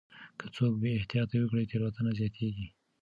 که څوک بې احتياطي وکړي تېروتنه زياتيږي.